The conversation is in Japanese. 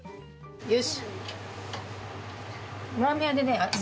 よし。